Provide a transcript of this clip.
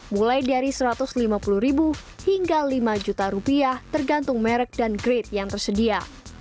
mulai dari satu ratus lima puluh ribu hingga lima juta rupiah tergantung merek dan grade yang tersedia